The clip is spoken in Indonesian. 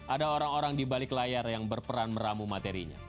ada orang orang di balik layar yang berperan meramu materinya